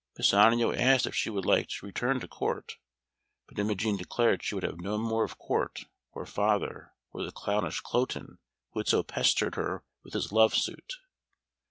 Pisanio asked if she would like to return to Court, but Imogen declared she would have no more of Court, or father, or the clownish Cloten, who had so pestered her with his love suit.